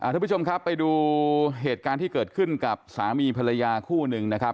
ทุกผู้ชมครับไปดูเหตุการณ์ที่เกิดขึ้นกับสามีภรรยาคู่หนึ่งนะครับ